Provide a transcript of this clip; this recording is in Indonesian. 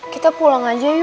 kita pulang aja yuk